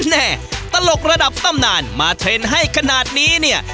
แม่ตลกระดับตำนานมาเทรนด์ให้ขนาดนี้เนี่ย